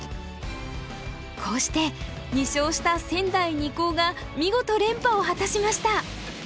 こうして２勝した仙台二高が見事連覇を果たしました。